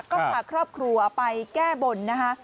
ก็พาครอบครัวไปแก้บนนะคะ